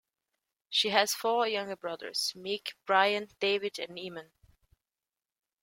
She has four younger brothers: Mick, Brian, David and Eamonn.